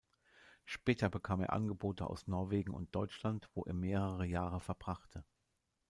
Später bekam er Angebote aus Norwegen und Deutschland, wo er mehrere Jahre verbrachte.